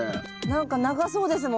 何か長そうですもんね